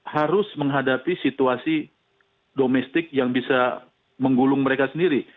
harus menghadapi situasi domestik yang bisa menggulung mereka sendiri